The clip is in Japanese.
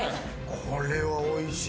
これはおいしい。